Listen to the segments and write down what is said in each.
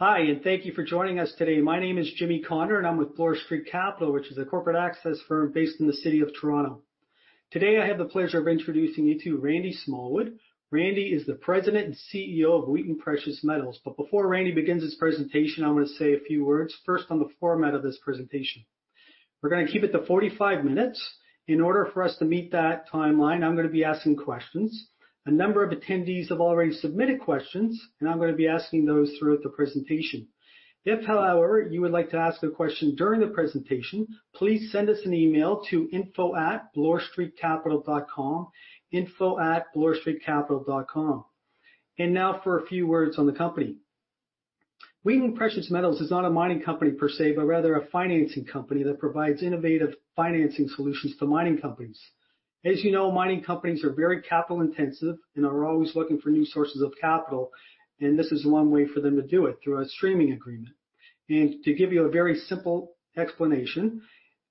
Hi, and thank you for joining us today. My name is Jimmy Connor, and I'm with Bloor Street Capital, which is a corporate access firm based in the city of Toronto. Today, I have the pleasure of introducing you to Randy Smallwood. Randy is the President and CEO of Wheaton Precious Metals. Before Randy begins his presentation, I'm going to say a few words, first on the format of this presentation. We're going to keep it to 45 minutes. In order for us to meet that timeline, I'm going to be asking questions. A number of attendees have already submitted questions, and I'm going to be asking those throughout the presentation. If, however, you would like to ask a question during the presentation, please send us an email to info@bloorstreetcapital.com, info@bloorstreetcapital.com. Now for a few words on the company. Wheaton Precious Metals is not a mining company per se, but rather a financing company that provides innovative financing solutions to mining companies. As you know, mining companies are very capital intensive and are always looking for new sources of capital, this is one way for them to do it, through a streaming agreement. To give you a very simple explanation,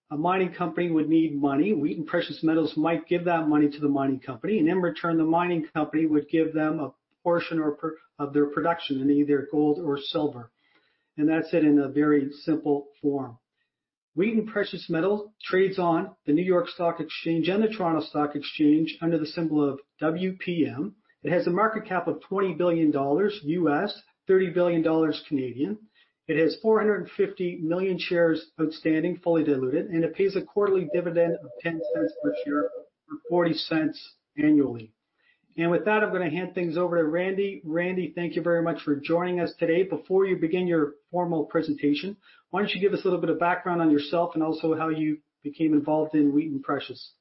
a mining company would need money. Wheaton Precious Metals might give that money to the mining company, and in return, the mining company would give them a portion of their production in either gold or silver. That's it in a very simple form. Wheaton Precious Metals trades on the New York Stock Exchange and the Toronto Stock Exchange under the symbol of WPM. It has a market cap of $20 billion, 30 billion dollars. It has 450 million shares outstanding, fully diluted, and it pays a quarterly dividend of $0.10 per share or $0.40 annually. With that, I'm going to hand things over to Randy. Randy, thank you very much for joining us today. Before you begin your formal presentation, why don't you give us a little bit of background on yourself and also how you became involved in Wheaton Precious?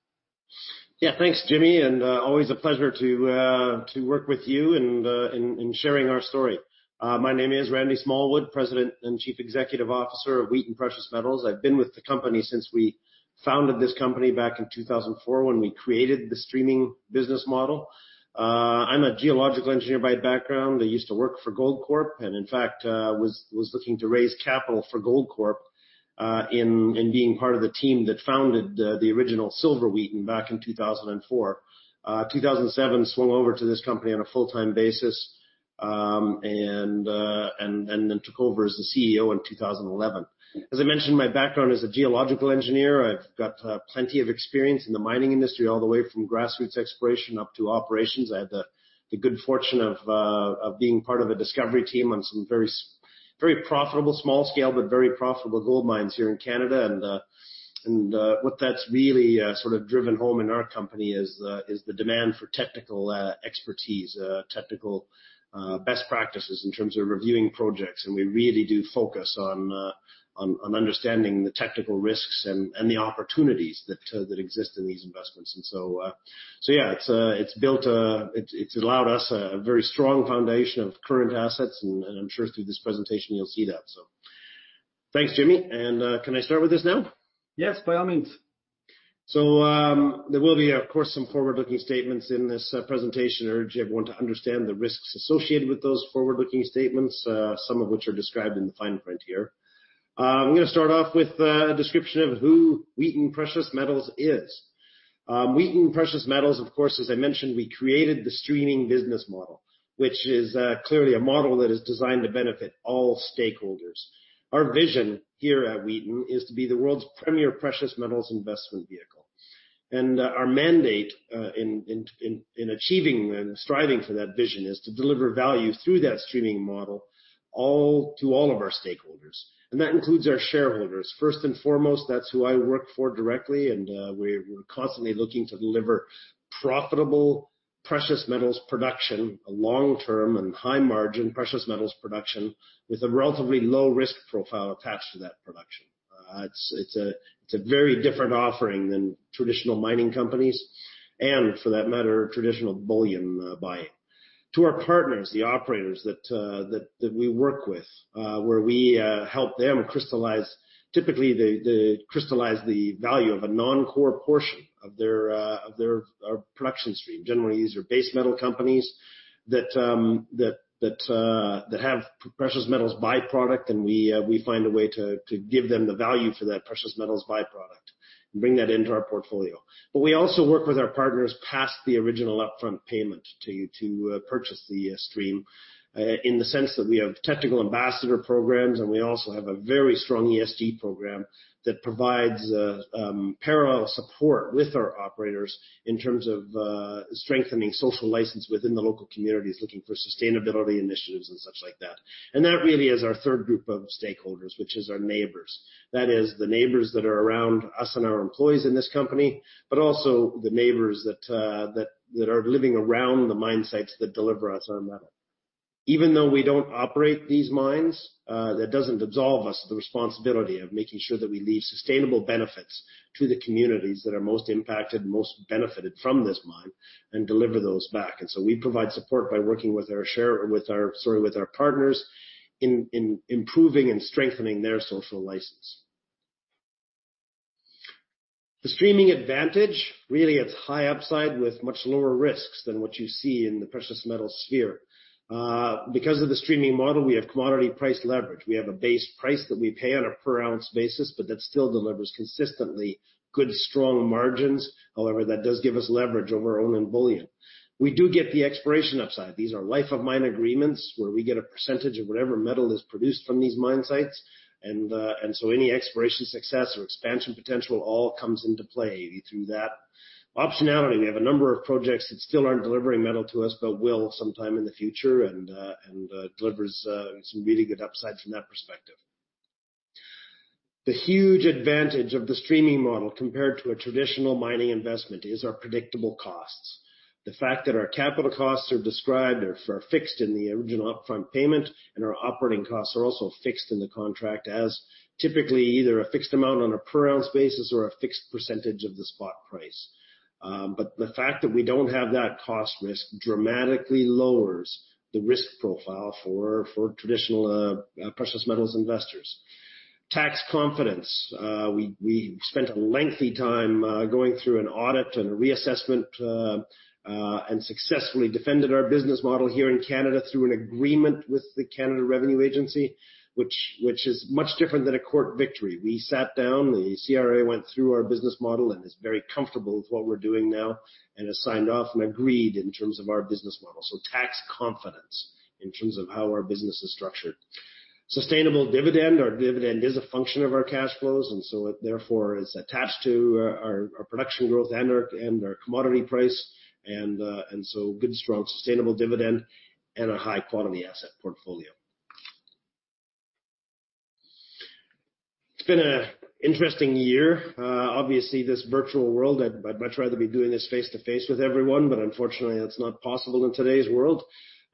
Thanks, Jimmy, always a pleasure to work with you and sharing our story. My name is Randy Smallwood, President and Chief Executive Officer of Wheaton Precious Metals. I've been with the company since we founded this company back in 2004 when we created the streaming business model. I'm a geological engineer by background. I used to work for Goldcorp, in fact, was looking to raise capital for Goldcorp in being part of the team that founded the original Silver Wheaton back in 2004. 2007, swung over to this company on a full-time basis, then took over as the CEO in 2011. As I mentioned, my background is a geological engineer. I've got plenty of experience in the mining industry, all the way from grassroots exploration up to operations. I had the good fortune of being part of a discovery team on some very profitable, small scale, but very profitable gold mines here in Canada. What that's really sort of driven home in our company is the demand for technical expertise, technical best practices in terms of reviewing projects. We really do focus on understanding the technical risks and the opportunities that exist in these investments. Yeah, it's allowed us a very strong foundation of current assets, and I'm sure through this presentation you'll see that. Thanks, Jimmy. Can I start with this now? Yes, by all means. There will be, of course, some forward-looking statements in this presentation. I urge everyone to understand the risks associated with those forward-looking statements, some of which are described in the fine print here. I'm going to start off with a description of who Wheaton Precious Metals is. Wheaton Precious Metals, of course, as I mentioned, we created the streaming business model, which is clearly a model that is designed to benefit all stakeholders. Our vision here at Wheaton is to be the world's premier precious metals investment vehicle. Our mandate in achieving and striving for that vision is to deliver value through that streaming model to all of our stakeholders. That includes our shareholders. First and foremost, that's who I work for directly. We're constantly looking to deliver profitable precious metals production, a long-term and high margin precious metals production with a relatively low risk profile attached to that production. It's a very different offering than traditional mining companies and, for that matter, traditional bullion buying. To our partners, the operators that we work with where we help them crystallize, typically, crystallize the value of a non-core portion of their production stream. Generally, these are base metal companies that have precious metals byproduct. We find a way to give them the value for that precious metals byproduct and bring that into our portfolio. We also work with our partners past the original upfront payment to purchase the stream in the sense that we have technical ambassador programs, and we also have a very strong ESG program that provides parallel support with our operators in terms of strengthening social license within the local communities, looking for sustainability initiatives and such like that. That really is our third group of stakeholders, which is our neighbors. That is the neighbors that are around us and our employees in this company, but also the neighbors that are living around the mine sites that deliver us our metal. Even though we don't operate these mines, that doesn't absolve us the responsibility of making sure that we leave sustainable benefits to the communities that are most impacted, most benefited from this mine, and deliver those back. We provide support by working with our partners in improving and strengthening their social license. The streaming advantage really, it's high upside with much lower risks than what you see in the precious metal sphere. Because of the streaming model, we have commodity price leverage. We have a base price that we pay on a per ounce basis, but that still delivers consistently good, strong margins. That does give us leverage over owning bullion. We do get the exploration upside. These are life of mine agreements, where we get a percentage of whatever metal is produced from these mine sites. Any exploration success or expansion potential all comes into play through that optionality. We have a number of projects that still aren't delivering metal to us, but will sometime in the future, and delivers some really good upside from that perspective. The huge advantage of the streaming model compared to a traditional mining investment is our predictable costs. The fact that our capital costs are fixed in the original upfront payment, and our operating costs are also fixed in the contract as typically either a fixed amount on a per ounce basis or a fixed percentage of the spot price. The fact that we don't have that cost risk dramatically lowers the risk profile for traditional precious metals investors. Tax confidence, we spent a lengthy time going through an audit and a reassessment, and successfully defended our business model here in Canada through an agreement with the Canada Revenue Agency, which is much different than a court victory. We sat down, the CRA went through our business model and is very comfortable with what we're doing now and has signed off and agreed in terms of our business model. Tax confidence in terms of how our business is structured. Sustainable dividend. Our dividend is a function of our cash flows, and so therefore is attached to our production growth and our commodity price, and so good, strong sustainable dividend and a high quality asset portfolio. It's been a interesting year. Obviously this virtual world, I'd much rather be doing this face-to-face with everyone, but unfortunately that's not possible in today's world.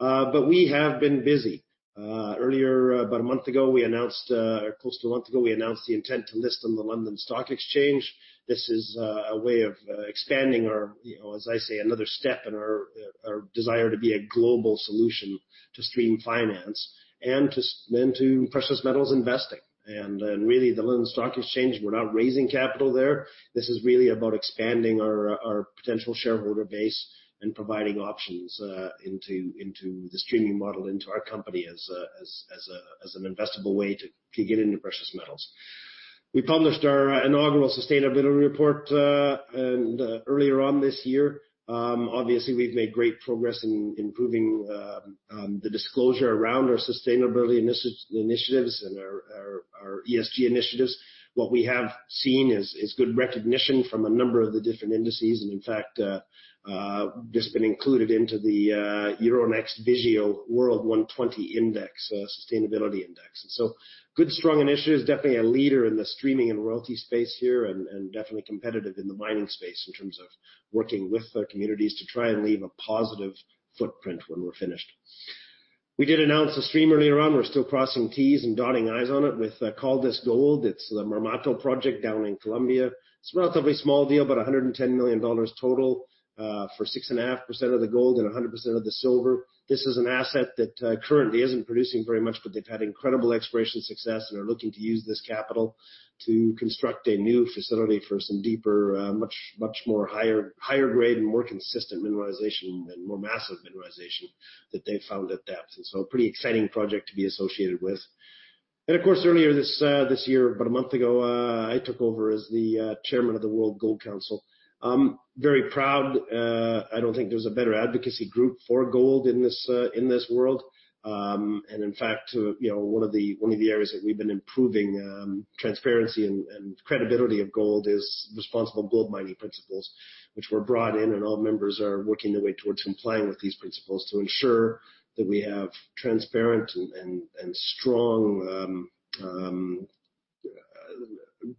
We have been busy. Earlier, about a month ago, we announced, or close to a month ago, we announced the intent to list on the London Stock Exchange. This is a way of expanding our, as I say, another step in our desire to be a global solution to stream finance and to then to precious metals investing. And really the London Stock Exchange, we're not raising capital there. This is really about expanding our potential shareholder base and providing options, into the streaming model, into our company as an investable way to get into precious metals. We published our inaugural sustainability report, and earlier on this year, obviously we've made great progress in improving the disclosure around our sustainability initiatives and our ESG initiatives. What we have seen is good recognition from a number of the different indices and in fact, just been included into the Euronext Vigeo World 120 Index, sustainability index. Good strong initiatives, definitely a leader in the streaming and royalty space here and definitely competitive in the mining space in terms of working with the communities to try and leave a positive footprint when we're finished. We did announce a stream earlier on. We're still crossing Ts and dotting Is on it with Caldas Gold. It's the Marmato project down in Colombia. It's relatively small deal, about $110 million total, for 6.5% of the gold and 100% of the silver. This is an asset that currently isn't producing very much, but they've had incredible exploration success and are looking to use this capital to construct a new facility for some deeper, much more higher grade and more consistent mineralization and more massive mineralization that they've found at depth. Pretty exciting project to be associated with. Of course, earlier this year, about a month ago, I took over as the chairman of the World Gold Council. I'm very proud. I don't think there's a better advocacy group for gold in this world. In fact, one of the areas that we've been improving transparency and credibility of gold is Responsible Gold Mining Principles, which were brought in and all members are working their way towards complying with these principles to ensure that we have transparent and strong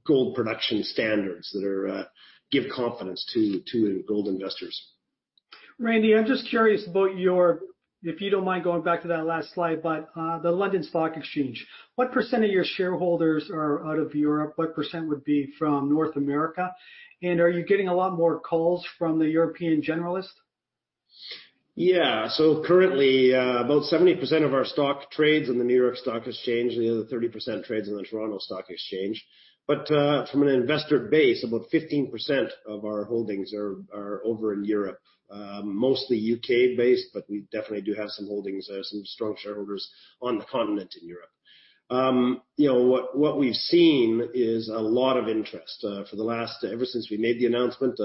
gold production standards that give confidence to gold investors. Randy, I'm just curious if you don't mind going back to that last slide, but, the London Stock Exchange. What % of your shareholders are out of Europe? What % would be from North America? Are you getting a lot more calls from the European generalists? Currently, about 70% of our stock trades on the New York Stock Exchange, and the other 30% trades on the Toronto Stock Exchange. From an investor base, about 15% of our holdings are over in Europe. Mostly U.K. based, we definitely do have some holdings there, some strong shareholders on the continent in Europe. What we've seen is a lot of interest. For the last, ever since we made the announcement,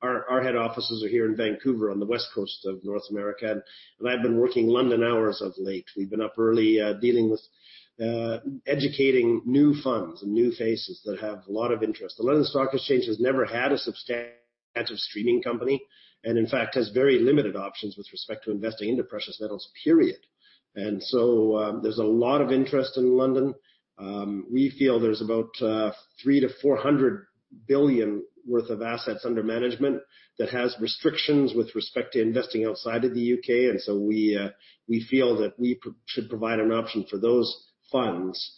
our head offices are here in Vancouver on the west coast of North America, and I've been working London hours of late. We've been up early, dealing with, educating new funds and new faces that have a lot of interest. The London Stock Exchange has never had a substantial streaming company, and in fact has very limited options with respect to investing into precious metals, period. There's a lot of interest in London. We feel there's about $300 billion-$400 billion worth of assets under management that has restrictions with respect to investing outside of the U.K. We feel that we should provide an option for those funds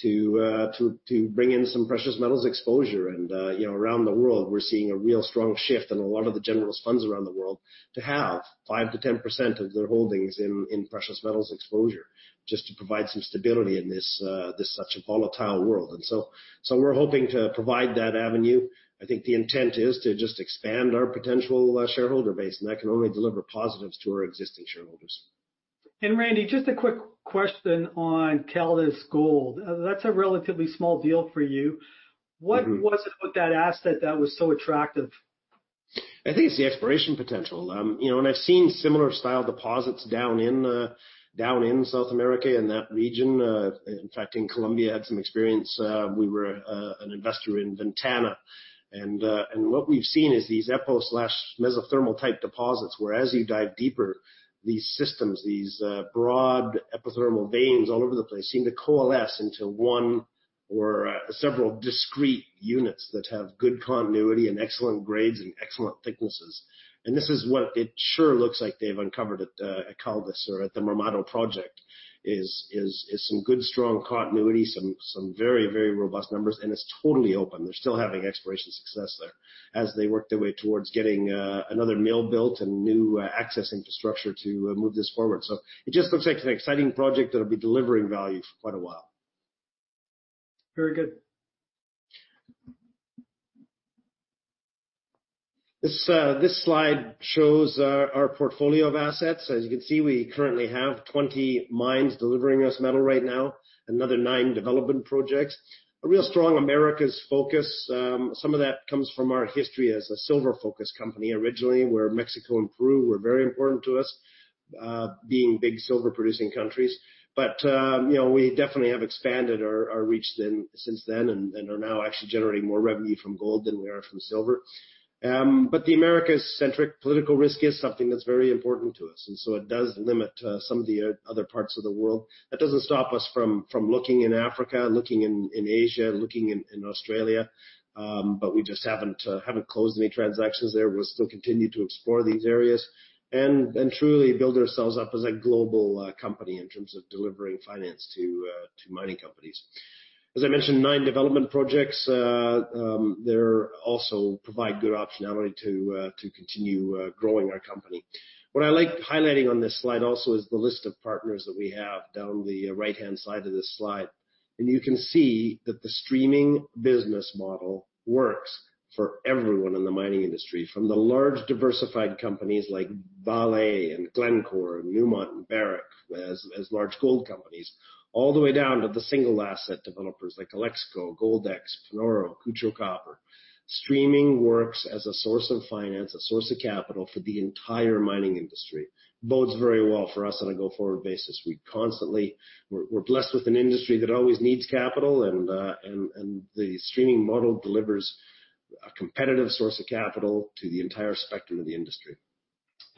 to bring in some precious metals exposure. Around the world, we're seeing a real strong shift in a lot of the generalist funds around the world to have 5%-10% of their holdings in precious metals exposure, just to provide some stability in such a volatile world. We're hoping to provide that avenue. I think the intent is to just expand our potential shareholder base, and that can only deliver positives to our existing shareholders. Randy, just a quick question on Caldas Gold. That's a relatively small deal for you. What was it about that asset that was so attractive? I think it's the exploration potential. I've seen similar style deposits down in South America, in that region. In fact, in Colombia, I had some experience. We were an investor in Ventana, and what we've seen is these epithermal/mesothermal-type deposits where as you dive deeper, these systems, these broad epithermal veins all over the place seem to coalesce into one or several discrete units that have good continuity and excellent grades and excellent thicknesses. This is what it sure looks like they've uncovered at Caldas or at the Marmato project, is some good, strong continuity, some very robust numbers, and it's totally open. They're still having exploration success there as they work their way towards getting another mill built and new access infrastructure to move this forward. It just looks like an exciting project that'll be delivering value for quite a while. Very good. This slide shows our portfolio of assets. As you can see, we currently have 20 mines delivering us metal right now, another nine development projects. A real strong Americas focus. Some of that comes from our history as a silver-focused company originally, where Mexico and Peru were very important to us, being big silver-producing countries. We definitely have expanded our reach since then and are now actually generating more revenue from gold than we are from silver. The Americas-centric political risk is something that's very important to us, and so it does limit some of the other parts of the world. That doesn't stop us from looking in Africa, looking in Asia, looking in Australia. We just haven't closed any transactions there. We'll still continue to explore these areas and truly build ourselves up as a global company in terms of delivering finance to mining companies. As I mentioned, nine development projects. They also provide good optionality to continue growing our company. What I like highlighting on this slide also is the list of partners that we have down the right-hand side of this slide. You can see that the streaming business model works for everyone in the mining industry, from the large diversified companies like Vale and Glencore and Newmont and Barrick, as large gold companies, all the way down to the single asset developers like Alexco, Gold X, Panoro, Kutcho Copper. Streaming works as a source of finance, a source of capital for the entire mining industry. Bodes very well for us on a go-forward basis. We're blessed with an industry that always needs capital, the streaming model delivers a competitive source of capital to the entire spectrum of the industry.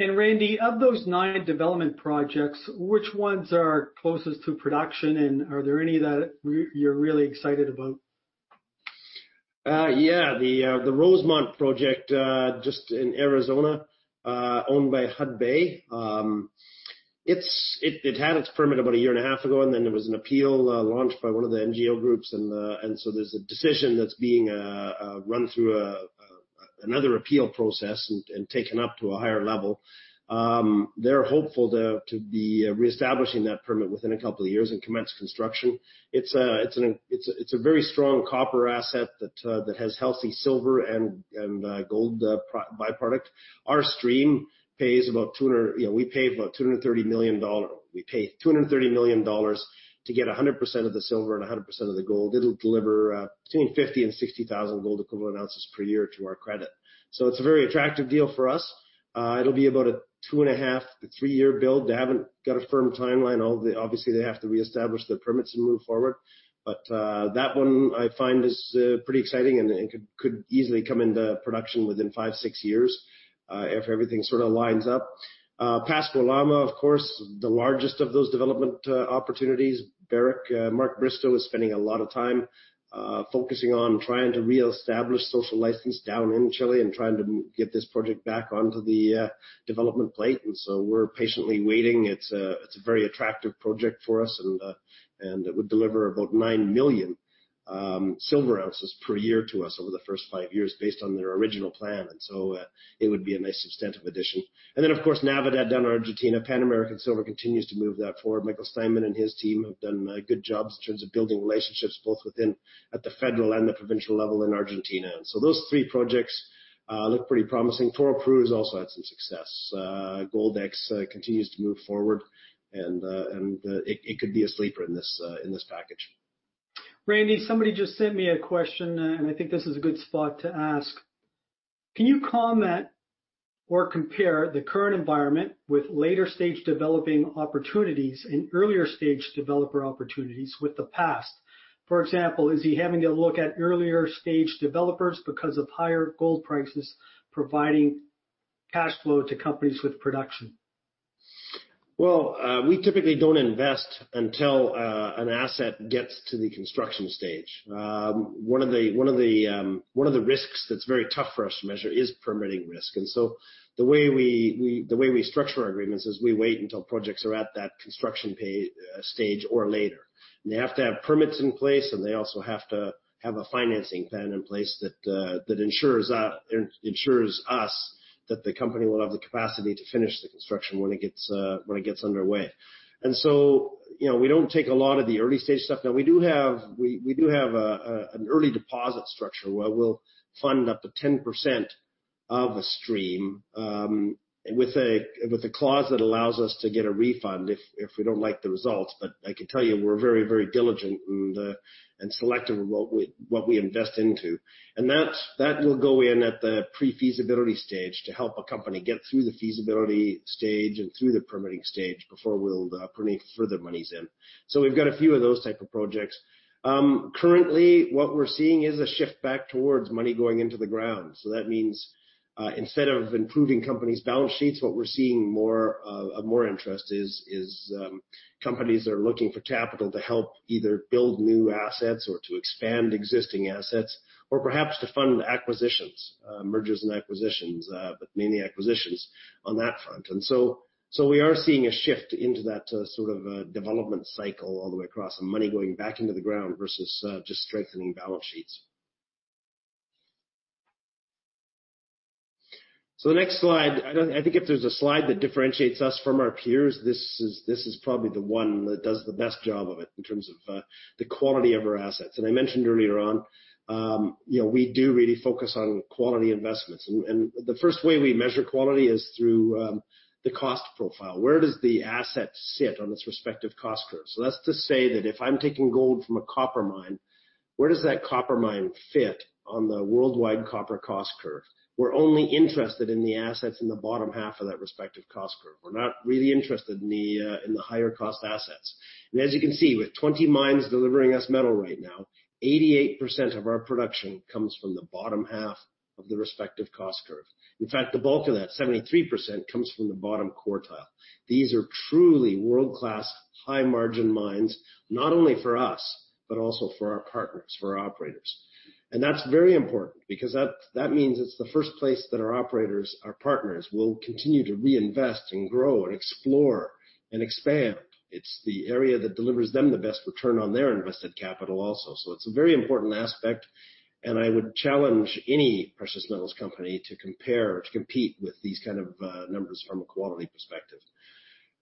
Randy, of those nine development projects, which ones are closest to production, and are there any that you're really excited about? The Rosemont project, just in Arizona, owned by Hudbay. It had its permit about a year and a half ago. Then there was an appeal launched by one of the NGO groups, so there's a decision that's being run through another appeal process and taken up to a higher level. They're hopeful to be reestablishing that permit within a couple of years and commence construction. It's a very strong copper asset that has healthy silver and gold by-product. We pay about $230 million to get 100% of the silver and 100% of the gold. It'll deliver between 50,000 and 60,000 gold equivalent ounces per year to our credit. It's a very attractive deal for us. It'll be about a two-and-a-half to three-year build. They haven't got a firm timeline. Obviously, they have to reestablish their permits and move forward. That one I find is pretty exciting and could easily come into production within five, six years if everything lines up. Pascua Lama, of course, the largest of those development opportunities. Barrick, Mark Bristow, is spending a lot of time focusing on trying to reestablish social license down in Chile and trying to get this project back onto the development plate, and so we're patiently waiting. It's a very attractive project for us, and it would deliver about 9 million silver ounces per year to us over the first five years based on their original plan. It would be a nice substantive addition. Of course, Navidad down in Argentina, Pan American Silver continues to move that forward. Michael Steinmann and his team have done a good job in terms of building relationships both within at the federal and the provincial level in Argentina. Those three projects look pretty promising. Toroparu also had some success. Gold X continues to move forward, and it could be a sleeper in this package. Randy, somebody just sent me a question, and I think this is a good spot to ask. Can you comment or compare the current environment with later-stage developing opportunities and earlier-stage developer opportunities with the past? For example, is he having to look at earlier-stage developers because of higher gold prices providing cash flow to companies with production? We typically don't invest until an asset gets to the construction stage. One of the risks that's very tough for us to measure is permitting risk. The way we structure our agreements is we wait until projects are at that construction stage or later. They have to have permits in place, and they also have to have a financing plan in place that ensures us that the company will have the capacity to finish the construction when it gets underway. We don't take a lot of the early-stage stuff. We do have an early deposit structure where we'll fund up to 10% of a stream, with a clause that allows us to get a refund if we don't like the results. I can tell you we're very diligent and selective in what we invest into. That will go in at the pre-feasibility stage to help a company get through the feasibility stage and through the permitting stage before we'll put any further monies in. We've got a few of those type of projects. Currently, what we're seeing is a shift back towards money going into the ground. That means, instead of improving companies' balance sheets, what we're seeing of more interest is companies are looking for capital to help either build new assets or to expand existing assets or perhaps to fund acquisitions, mergers and acquisitions, but mainly acquisitions on that front. We are seeing a shift into that sort of development cycle all the way across and money going back into the ground versus just strengthening balance sheets. The next slide, I think if there's a slide that differentiates us from our peers, this is probably the one that does the best job of it in terms of the quality of our assets. I mentioned earlier on, we do really focus on quality investments. The first way we measure quality is through the cost profile. Where does the asset sit on its respective cost curve? That's to say that if I'm taking gold from a copper mine, where does that copper mine fit on the worldwide copper cost curve? We're only interested in the assets in the bottom half of that respective cost curve. We're not really interested in the higher cost assets. As you can see, with 20 mines delivering us metal right now, 88% of our production comes from the bottom half of the respective cost curve. In fact, the bulk of that, 73%, comes from the bottom quartile. These are truly world-class high margin mines, not only for us, but also for our partners, for our operators. That's very important because that means it's the first place that our operators, our partners, will continue to reinvest in grow and explore and expand. It's the area that delivers them the best return on their invested capital also. It's a very important aspect, and I would challenge any precious metals company to compete with these kind of numbers from a quality perspective,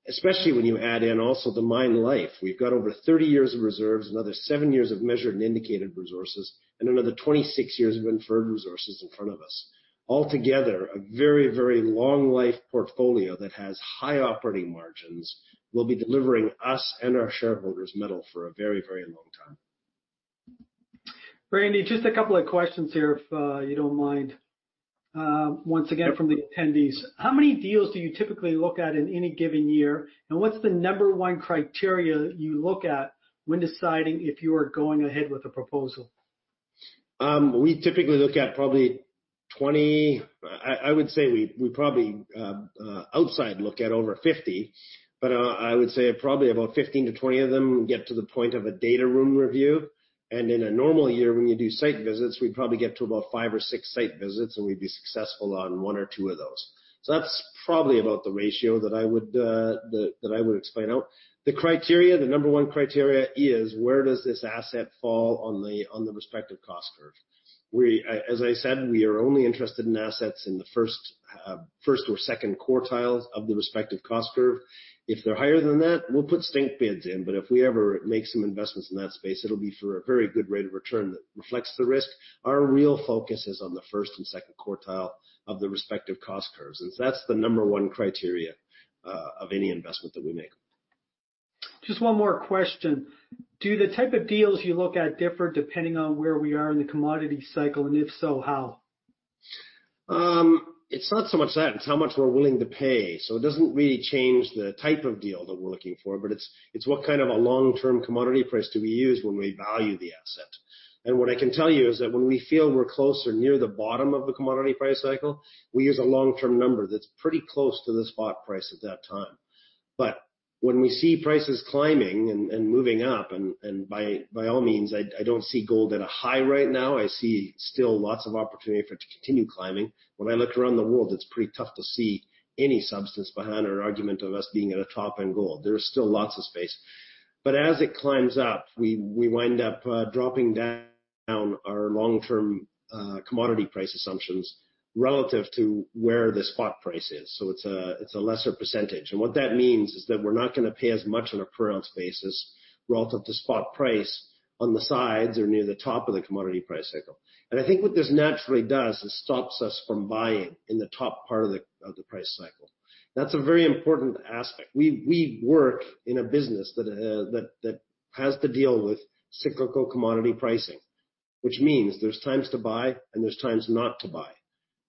especially when you add in also the mine life. We've got over 30 years of reserves, another seven years of measured and indicated resources, and another 26 years of inferred resources in front of us. Altogether, a very long life portfolio that has high operating margins will be delivering us and our shareholders metal for a very long time. Randy, just a couple of questions here if you don't mind. Once again, from the attendees. How many deals do you typically look at in any given year, what's the number 1 criteria you look at when deciding if you are going ahead with a proposal? We typically look at probably 20. I would say we probably outside look at over 50, but I would say probably about 15 to 20 of them get to the point of a data room review. In a normal year when you do site visits, we'd probably get to about five or six site visits, and we'd be successful on one or two of those. That's probably about the ratio that I would explain out. The criteria, the number 1 criteria is where does this asset fall on the respective cost curve? As I said, we are only interested in assets in the first or second quartiles of the respective cost curve. If they're higher than that, we'll put stink bids in. If we ever make some investments in that space, it'll be for a very good rate of return that reflects the risk. Our real focus is on the first and second quartile of the respective cost curves, and so that's the number one criteria of any investment that we make. Just one more question. Do the type of deals you look at differ depending on where we are in the commodity cycle, and if so, how? It's not so much that. It's how much we're willing to pay. It doesn't really change the type of deal that we're looking for, but it's what kind of a long-term commodity price do we use when we value the asset? What I can tell you is that when we feel we're close or near the bottom of the commodity price cycle, we use a long-term number that's pretty close to the spot price at that time. When we see prices climbing and moving up and, by all means, I don't see gold at a high right now. I see still lots of opportunity for it to continue climbing. When I look around the world, it's pretty tough to see any substance behind our argument of us being at a top in gold. There is still lots of space. As it climbs up, we wind up dropping down our long-term commodity price assumptions relative to where the spot price is. It's a lesser percentage. What that means is that we're not going to pay as much on a per ounce basis relative to spot price on the sides or near the top of the commodity price cycle. I think what this naturally does is stops us from buying in the top part of the price cycle. That's a very important aspect. We work in a business that has to deal with cyclical commodity pricing, which means there's times to buy and there's times not to buy.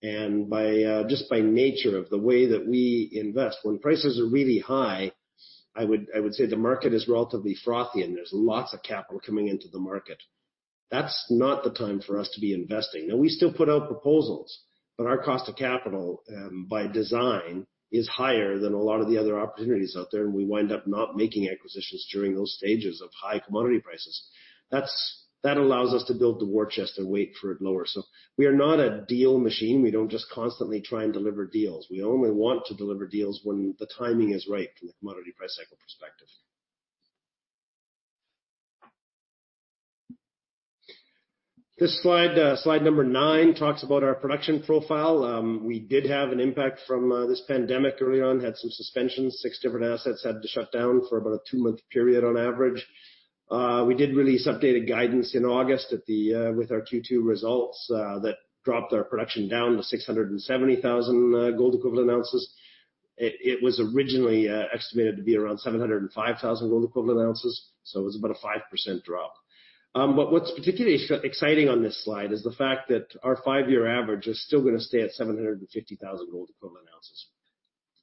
Just by nature of the way that we invest, when prices are really high, I would say the market is relatively frothy and there's lots of capital coming into the market. That's not the time for us to be investing. We still put out proposals, but our cost of capital, by design, is higher than a lot of the other opportunities out there, and we wind up not making acquisitions during those stages of high commodity prices. That allows us to build the war chest and wait for it lower. We are not a deal machine. We don't just constantly try and deliver deals. We only want to deliver deals when the timing is right from the commodity price cycle perspective. This slide number nine, talks about our production profile. We did have an impact from this pandemic early on, had some suspensions. Six different assets had to shut down for about a two-month period on average. We did release updated guidance in August with our Q2 results that dropped our production down to 670,000 gold equivalent ounces. It was originally estimated to be around 705,000 gold equivalent ounces, so it was about a 5% drop. What's particularly exciting on this slide is the fact that our five-year average is still going to stay at 750,000 gold equivalent ounces,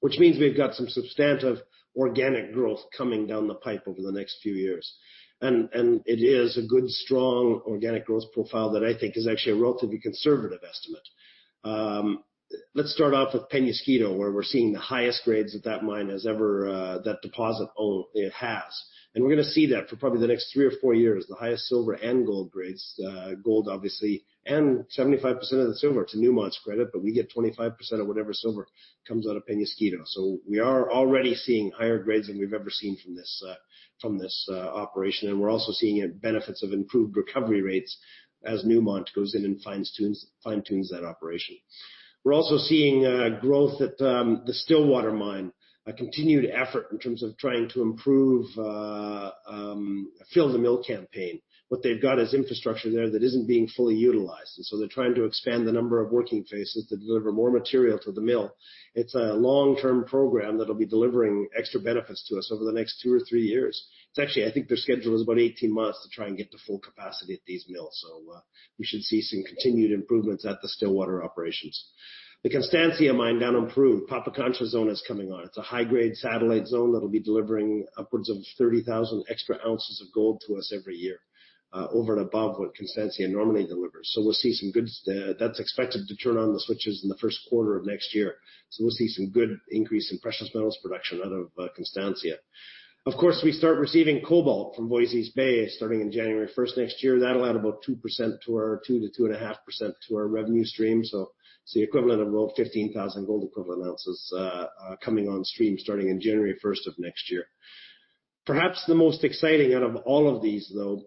which means we've got some substantive organic growth coming down the pipe over the next few years. It is a good, strong organic growth profile that I think is actually a relatively conservative estimate. Let's start off with Peñasquito, where we're seeing the highest grades that deposit it has. We're going to see that for probably the next three or four years, the highest silver and gold grades. Gold, obviously, and 75% of the silver to Newmont's credit, but we get 25% of whatever silver comes out of Peñasquito. We are already seeing higher grades than we've ever seen from this operation. We're also seeing benefits of improved recovery rates as Newmont goes in and fine-tunes that operation. We're also seeing growth at the Stillwater mine, a continued effort in terms of trying to improve Fill The Mill campaign. What they've got is infrastructure there that isn't being fully utilized, and so they're trying to expand the number of working faces that deliver more material to the mill. It's a long-term program that'll be delivering extra benefits to us over the next two or three years. It's actually, I think their schedule is about 18 months to try and get to full capacity at these mills. We should see some continued improvements at the Stillwater operations. The Constancia mine down in Peru, Pampacancha zone is coming on. It's a high-grade satellite zone that'll be delivering upwards of 30,000 extra ounces of gold to us every year, over and above what Constancia normally delivers. That's expected to turn on the switches in the first quarter of next year. We'll see some good increase in precious metals production out of Constancia. Of course, we start receiving cobalt from Voisey's Bay starting in January 1st next year. That'll add about 2% to our, 2%-2.5% to our revenue stream. It's the equivalent of about 15,000 gold equivalent ounces coming on stream starting in January 1st of next year. Perhaps the most exciting out of all of these, though,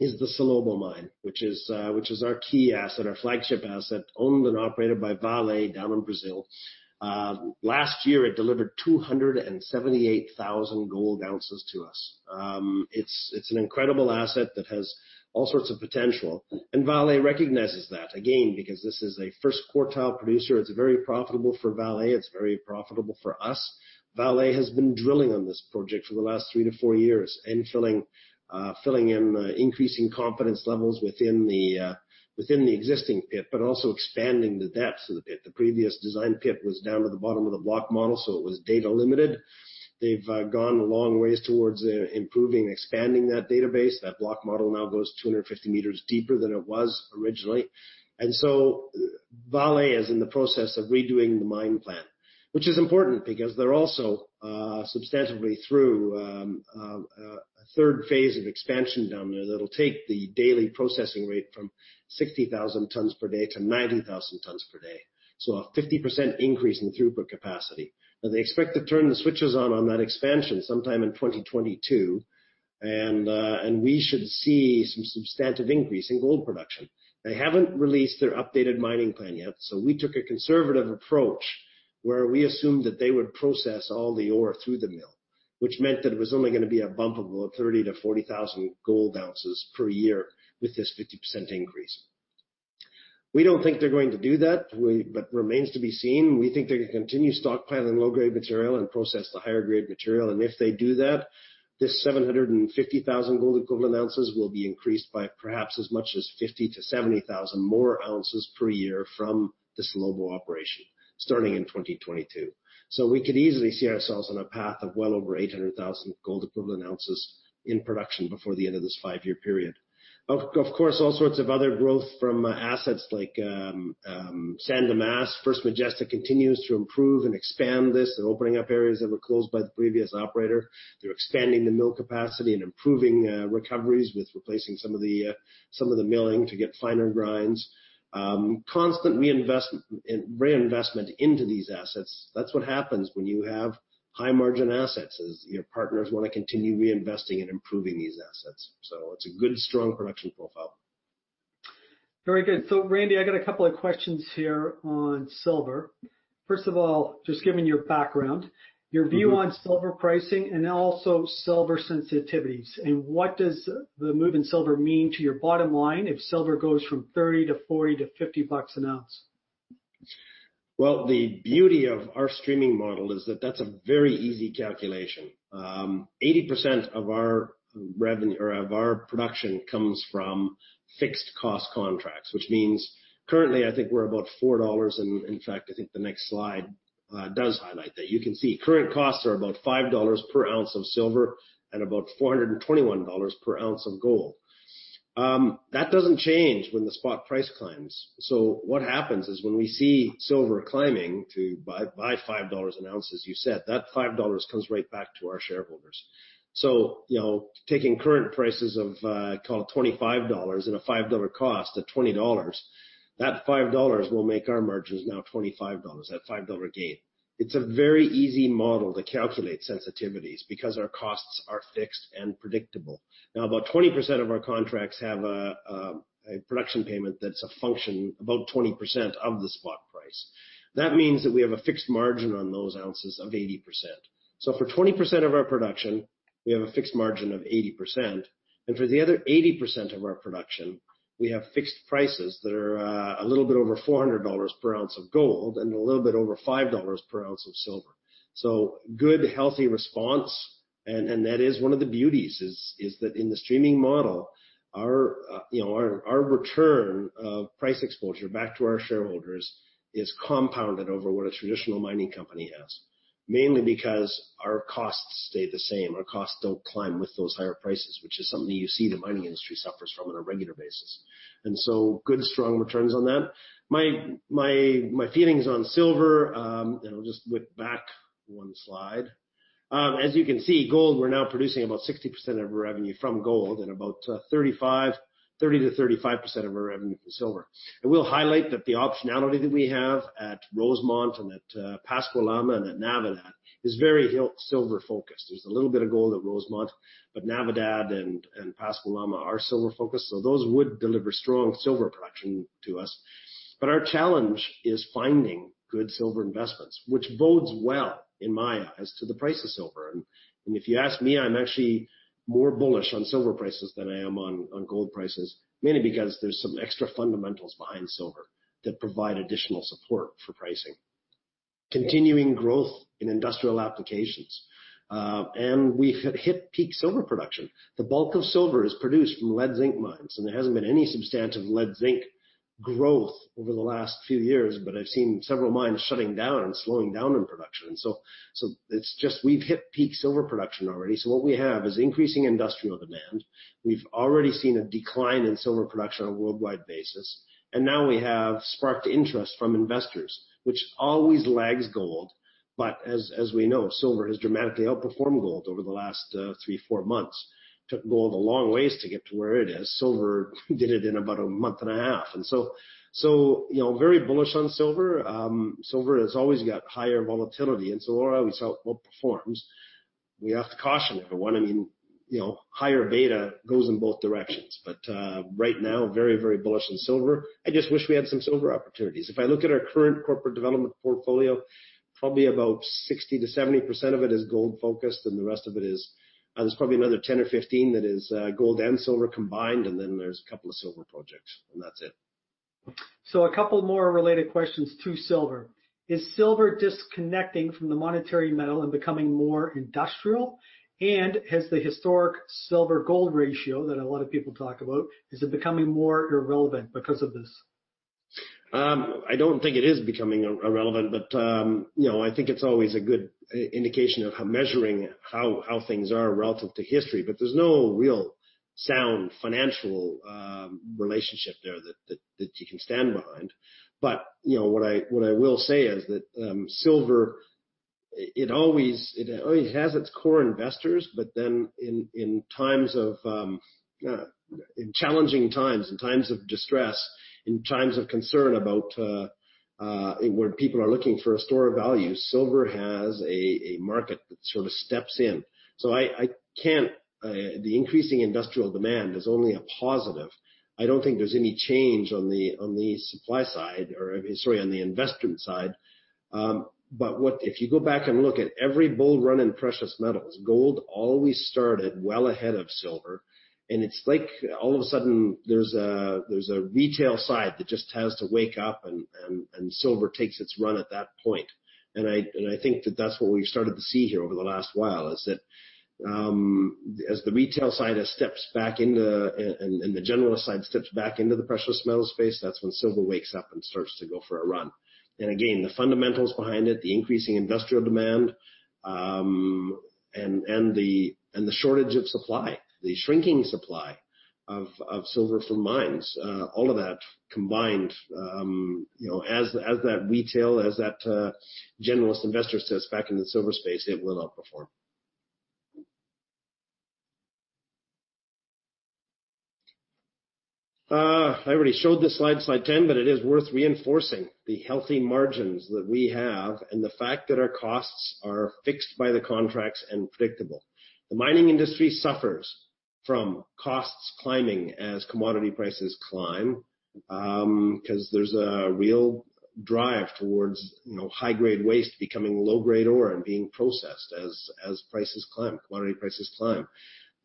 is the Salobo mine, which is our key asset, our flagship asset, owned and operated by Vale down in Brazil. Last year, it delivered 278,000 gold ounces to us. It's an incredible asset that has all sorts of potential, and Vale recognizes that. Again, because this is a first quartile producer. It's very profitable for Vale. It's very profitable for us. Vale has been drilling on this project for the last three to four years and filling in increasing confidence levels within the existing pit, but also expanding the depths of the pit. The previous design pit was down to the bottom of the block model, so it was data limited. They've gone a long ways towards improving and expanding that database. That block model now goes 250 meters deeper than it was originally. Vale is in the process of redoing the mine plan, which is important because they're also substantively through a third phase of expansion down there that'll take the daily processing rate from 60,000 tons per day to 90,000 tons per day. A 50% increase in throughput capacity. They expect to turn the switches on on that expansion sometime in 2022, and we should see some substantive increase in gold production. They haven't released their updated mining plan yet, so we took a conservative approach where we assumed that they would process all the ore through the mill, which meant that it was only going to be a bump of about 30,000-40,000 gold ounces per year with this 50% increase. We don't think they're going to do that, remains to be seen. We think they're going to continue stockpiling low-grade material and process the higher-grade material. If they do that, this 750,000 gold equivalent ounces will be increased by perhaps as much as 50,000-70,000 more ounces per year from the Salobo operation starting in 2022. We could easily see ourselves on a path of well over 800,000 gold equivalent ounces in production before the end of this five-year period. Of course, all sorts of other growth from assets like San Dimas. First Majestic continues to improve and expand this. They're opening up areas that were closed by the previous operator. They're expanding the mill capacity and improving recoveries with replacing some of the milling to get finer grinds. Constant reinvestment into these assets. That's what happens when you have high margin assets, is your partners want to continue reinvesting and improving these assets. It's a good, strong production profile. Very good. Randy, I got a couple of questions here on silver. First of all, just given your background, your view on silver pricing and also silver sensitivities, what does the move in silver mean to your bottom line if silver goes from $30 to $40 to $50 an ounce? Well, the beauty of our streaming model is that that's a very easy calculation. 80% of our production comes from fixed cost contracts. Currently, I think we're about $4, in fact, I think the next slide does highlight that. You can see current costs are about $5 per ounce of silver and about $421 per ounce of gold. That doesn't change when the spot price climbs. What happens is when we see silver climbing to by $5 an ounce, as you said, that $5 comes right back to our shareholders. Taking current prices of, call it $25 and a $5 cost at $20, that $5 will make our margins now $25, that $5 gain. It's a very easy model to calculate sensitivities because our costs are fixed and predictable. About 20% of our contracts have a production payment that's a function about 20% of the spot price. That means that we have a fixed margin on those ounces of 80%. For 20% of our production, we have a fixed margin of 80%, and for the other 80% of our production, we have fixed prices that are a little bit over $400 per ounce of gold and a little bit over $5 per ounce of silver. Good, healthy response, and that is one of the beauties, is that in the streaming model, our return of price exposure back to our shareholders is compounded over what a traditional mining company has. Mainly because our costs stay the same. Our costs don't climb with those higher prices, which is something that you see the mining industry suffers from on a regular basis. Good, strong returns on that. My feelings on silver, I'll just whip back one slide. As you can see, gold, we're now producing about 60% of our revenue from gold and about 30%-35% of our revenue from silver. I will highlight that the optionality that we have at Rosemont and at Pascua Lama and at Navidad is very silver focused. There's a little bit of gold at Rosemont, but Navidad and Pascua Lama are silver focused, so those would deliver strong silver production to us. Our challenge is finding good silver investments, which bodes well in my eyes to the price of silver. If you ask me, I'm actually more bullish on silver prices than I am on gold prices, mainly because there's some extra fundamentals behind silver that provide additional support for pricing. Continuing growth in industrial applications. We have hit peak silver production. The bulk of silver is produced from lead zinc mines, and there hasn't been any substantive lead zinc growth over the last few years, but I've seen several mines shutting down and slowing down in production. It's just we've hit peak silver production already. What we have is increasing industrial demand. We've already seen a decline in silver production on a worldwide basis, and now we have sparked interest from investors, which always lags gold, but as we know, silver has dramatically outperformed gold over the last three, four months. Took gold a long ways to get to where it is. Silver did it in about a month and a half. Very bullish on silver. Silver has always got higher volatility, and silver always outperforms. We have to caution everyone. Higher beta goes in both directions. Right now, very bullish on silver. I just wish we had some silver opportunities. If I look at our current corporate development portfolio, probably about 60%-70% of it is gold focused. There's probably another 10 or 15 that is gold and silver combined. Then there's a couple of silver projects. That's it. A couple more related questions to silver. Is silver disconnecting from the monetary metal and becoming more industrial? Has the historic silver-gold ratio that a lot of people talk about, is it becoming more irrelevant because of this? I don't think it is becoming irrelevant, but I think it's always a good indication of measuring how things are relative to history. There's no real sound financial relationship there that you can stand behind. What I will say is that silver, it always has its core investors, but then in challenging times, in times of distress, in times of concern where people are looking for a store of value, silver has a market that sort of steps in. The increasing industrial demand is only a positive. I don't think there's any change on the supply side or, sorry, on the investment side. If you go back and look at every bull run in precious metals, gold always started well ahead of silver, and it's like all of a sudden there's a retail side that just has to wake up, and silver takes its run at that point. I think that that's what we've started to see here over the last while, is that as the retail side has steps back in, and the generalist side steps back into the precious metal space, that's when silver wakes up and starts to go for a run. Again, the fundamentals behind it, the increasing industrial demand, and the shortage of supply, the shrinking supply of silver from mines, all of that combined, as that retail, that generalist investor steps back into the silver space, it will outperform. I already showed this slide 10. It is worth reinforcing the healthy margins that we have and the fact that our costs are fixed by the contracts and predictable. The mining industry suffers from costs climbing as commodity prices climb, because there's a real drive towards high grade waste becoming low grade ore and being processed as prices climb, commodity prices climb.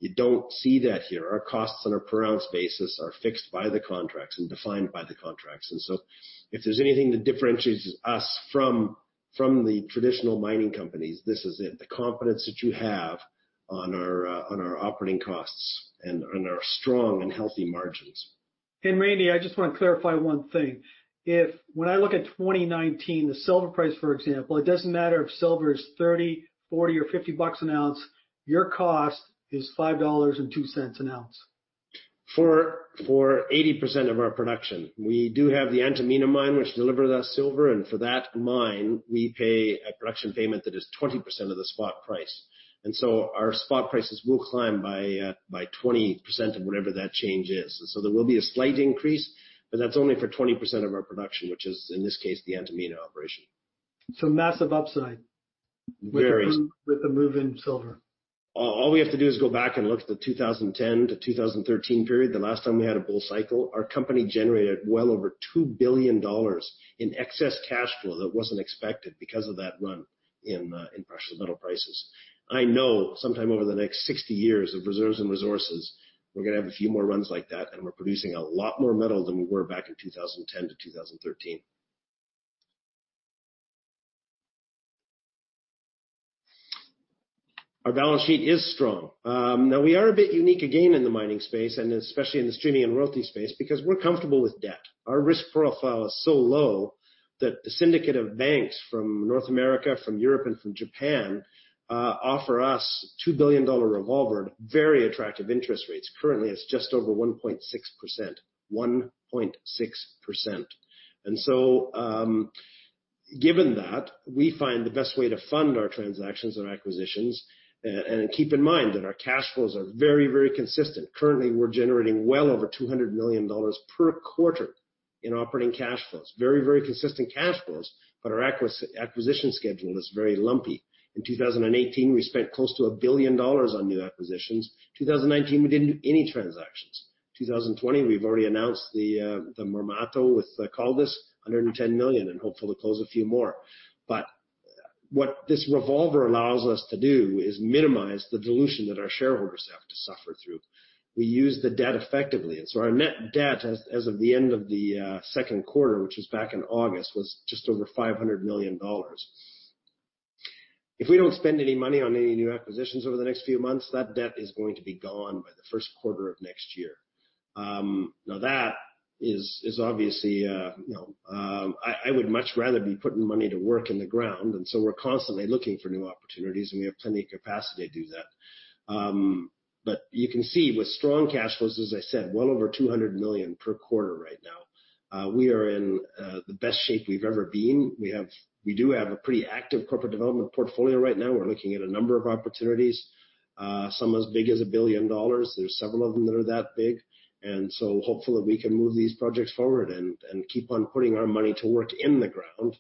You don't see that here. Our costs on a per ounce basis are fixed by the contracts and defined by the contracts. If there's anything that differentiates us from the traditional mining companies, this is it, the confidence that you have on our operating costs and on our strong and healthy margins. Randy, I just want to clarify one thing. If when I look at 2019, the silver price, for example, it doesn't matter if silver is 30, 40, or 50 bucks an ounce, your cost is $5.02 an ounce. For 80% of our production. We do have the Antamina mine, which delivers us silver, and for that mine, we pay a production payment that is 20% of the spot price. Our spot prices will climb by 20% of whatever that change is. There will be a slight increase, but that's only for 20% of our production, which is, in this case, the Antamina operation. massive upside. Very with the move in silver. All we have to do is go back and look at the 2010 to 2013 period. The last time we had a bull cycle, our company generated well over $2 billion in excess cash flow that wasn't expected because of that run in precious metal prices. I know sometime over the next 60 years of reserves and resources, we're going to have a few more runs like that, and we're producing a lot more metal than we were back in 2010 to 2013. Our balance sheet is strong. We are a bit unique again in the mining space, and especially in the streaming and royalty space, because we're comfortable with debt. Our risk profile is so low that the syndicate of banks from North America, from Europe, and from Japan, offer us a $2 billion revolver at very attractive interest rates. Currently, it's just over 1.6%. Given that, we find the best way to fund our transactions and acquisitions, and keep in mind that our cash flows are very, very consistent. Currently, we're generating well over $200 million per quarter in operating cash flows. Very, very consistent cash flows, but our acquisition schedule is very lumpy. In 2018, we spent close to $1 billion on new acquisitions. 2019, we didn't do any transactions. 2020, we've already announced the Marmato with Caldas, $110 million, and hopeful to close a few more. What this revolver allows us to do is minimize the dilution that our shareholders have to suffer through. We use the debt effectively, our net debt as of the end of the second quarter, which was back in August, was just over $500 million. If we don't spend any money on any new acquisitions over the next few months, that debt is going to be gone by the first quarter of next year. That is obviously I would much rather be putting money to work in the ground, and so we're constantly looking for new opportunities, and we have plenty of capacity to do that. You can see with strong cash flows, as I said, well over $200 million per quarter right now. We are in the best shape we've ever been. We do have a pretty active corporate development portfolio right now. We're looking at a number of opportunities, some as big as $1 billion. There's several of them that are that big. Hopeful that we can move these projects forward and keep on putting our money to work in the ground.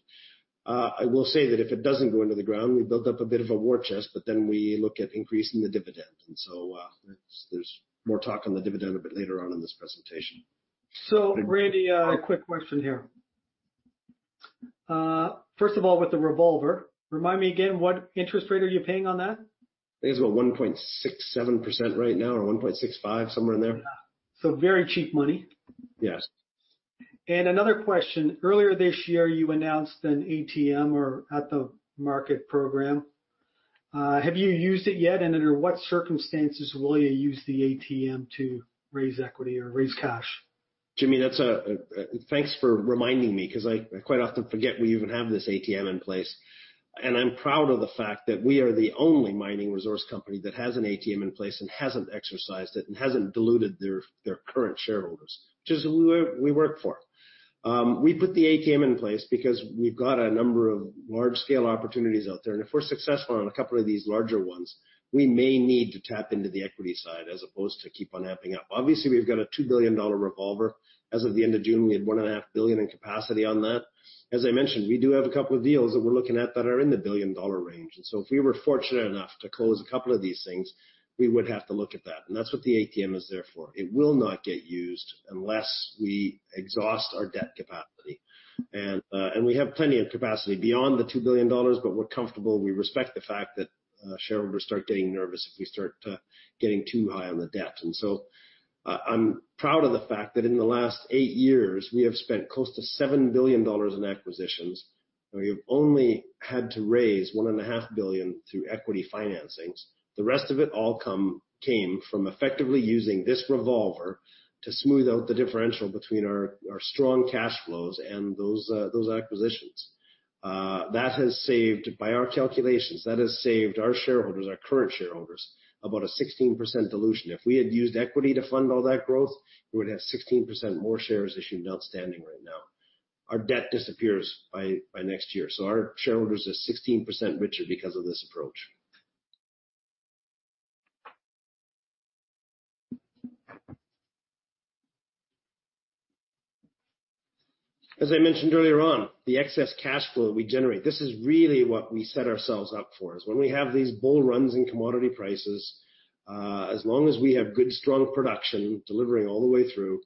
I will say that if it doesn't go into the ground, we build up a bit of a war chest, but then we look at increasing the dividend. There's more talk on the dividend a bit later on in this presentation. Randy, a quick question here. First of all, with the revolver, remind me again, what interest rate are you paying on that? I think it's about 1.67% right now, or 1.65%, somewhere in there. Very cheap money. Yes. Another question. Earlier this year, you announced an ATM or At The Market program. Have you used it yet? Under what circumstances will you use the ATM to raise equity or raise cash? Jimmy, thanks for reminding me because I quite often forget we even have this ATM in place, and I'm proud of the fact that we are the only mining resource company that has an ATM in place and hasn't exercised it and hasn't diluted their current shareholders, which is who we work for. We put the ATM in place because we've got a number of large-scale opportunities out there, and if we're successful on a couple of these larger ones, we may need to tap into the equity side as opposed to keep on amping up. Obviously, we've got a $2 billion revolver. As of the end of June, we had $1.5 billion in capacity on that. As I mentioned, we do have a couple of deals that we're looking at that are in the billion-dollar range, and so if we were fortunate enough to close a couple of these things, we would have to look at that. That's what the ATM is there for. It will not get used unless we exhaust our debt capacity. We have plenty of capacity beyond the $2 billion. We're comfortable. We respect the fact that shareholders start getting nervous if we start getting too high on the debt. I'm proud of the fact that in the last eight years, we have spent close to $7 billion in acquisitions. We have only had to raise $1.5 billion through equity financings. The rest of it all came from effectively using this revolver to smooth out the differential between our strong cash flows and those acquisitions. By our calculations, that has saved our shareholders, our current shareholders, about a 16% dilution. If we had used equity to fund all that growth, we would have 16% more shares issued and outstanding right now. Our debt disappears by next year, our shareholders are 16% richer because of this approach. As I mentioned earlier on, the excess cash flow we generate, this is really what we set ourselves up for, is when we have these bull runs in commodity prices, as long as we have good, strong production delivering all the way through,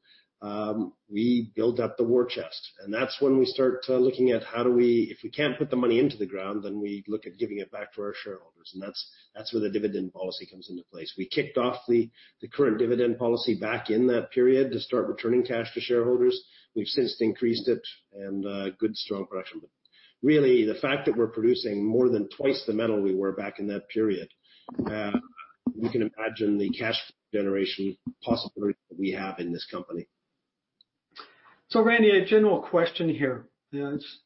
we build up the war chest. That's when we start looking at if we can't put the money into the ground, then we look at giving it back to our shareholders, and that's where the dividend policy comes into place. We kicked off the current dividend policy back in that period to start returning cash to shareholders. We've since increased it and good, strong production. Really, the fact that we're producing more than twice the metal we were back in that period. You can imagine the cash flow generation possibilities that we have in this company. Randy, a general question here. It's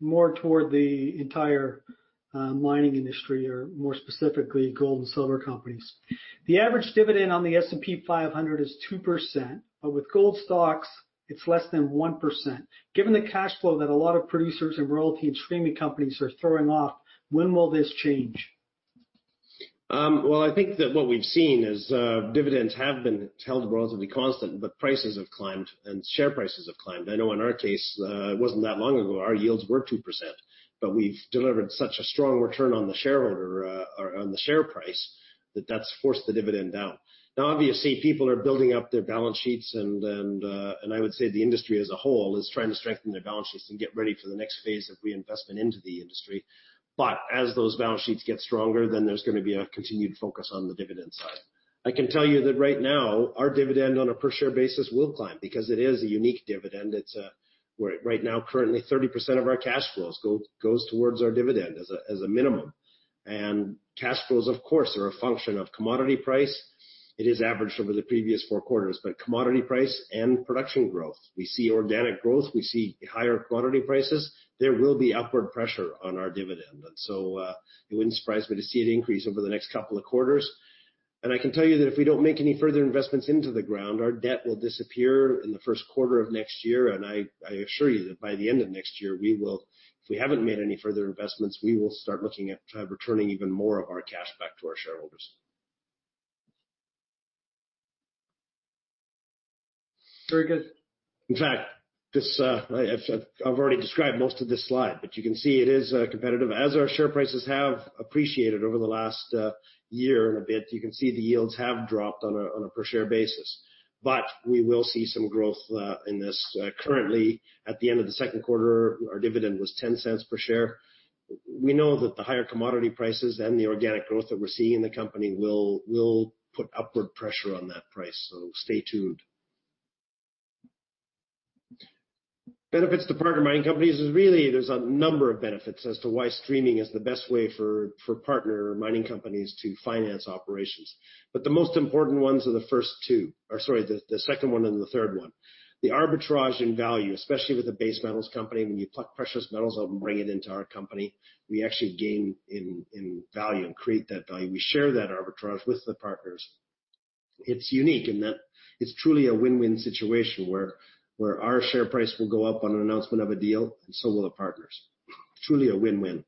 more toward the entire mining industry or more specifically gold and silver companies. The average dividend on the S&P 500 is 2%, but with gold stocks, it's less than 1%. Given the cash flow that a lot of producers and royalty streaming companies are throwing off, when will this change? I think that what we've seen is dividends have been held relatively constant, but prices have climbed and share prices have climbed. I know in our case, it wasn't that long ago, our yields were 2%, but we've delivered such a strong return on the share price that that's forced the dividend down. Obviously, people are building up their balance sheets and I would say the industry as a whole is trying to strengthen their balance sheets and get ready for the next phase of reinvestment into the industry. As those balance sheets get stronger, then there's going to be a continued focus on the dividend side. I can tell you that right now, our dividend on a per share basis will climb because it is a unique dividend. Right now, currently 30% of our cash flows go towards our dividend as a minimum. Cash flows, of course, are a function of commodity price, it is averaged over the previous four quarters, but commodity price and production growth. We see organic growth, we see higher commodity prices, there will be upward pressure on our dividend. It wouldn't surprise me to see it increase over the next couple of quarters. I can tell you that if we don't make any further investments into the ground, our debt will disappear in the first quarter of next year, and I assure you that by the end of next year, if we haven't made any further investments, we will start looking at returning even more of our cash back to our shareholders. Very good. In fact, I've already described most of this slide, but you can see it is competitive. As our share prices have appreciated over the last year and a bit, you can see the yields have dropped on a per share basis. We will see some growth in this. Currently, at the end of the second quarter, our dividend was $0.10 per share. We know that the higher commodity prices and the organic growth that we're seeing in the company will put upward pressure on that price, so stay tuned. Benefits to partner mining companies is really, there's a number of benefits as to why streaming is the best way for partner mining companies to finance operations. The most important ones are the first two, or sorry, the second one and the third one. The arbitrage in value, especially with a base metals company, when you pluck precious metals out and bring it into our company, we actually gain in value and create that value. We share that arbitrage with the partners. It is unique in that it is truly a win-win situation where our share price will go up on an announcement of a deal, and so will the partners'. Truly a win-win.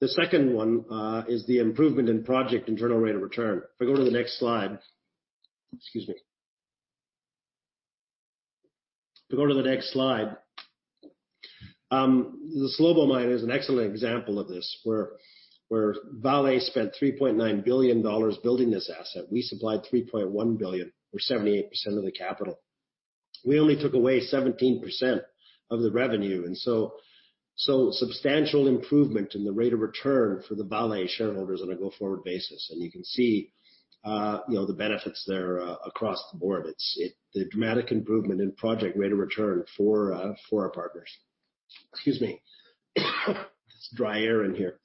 The second one is the improvement in project internal rate of return. If I go to the next slide. Excuse me. If I go to the next slide. The Salobo mine is an excellent example of this, where Vale spent $3.9 billion building this asset. We supplied $3.1 billion or 78% of the capital. We only took away 17% of the revenue, and so substantial improvement in the rate of return for the Vale shareholders on a go-forward basis. You can see the benefits there across the board. The dramatic improvement in project rate of return for our partners. Excuse me. It's dry air in here.